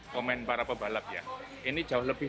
komen para pebalap ya ini jauh lebih